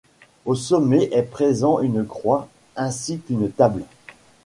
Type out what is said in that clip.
Au sommet est présent une croix ainsi qu'une table.